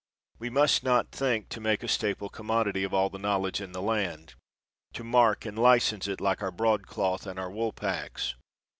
We must not think to make a staple commodity of all the knowledge in the land, to mark and li cense it like our broadcloth and our woolpacks.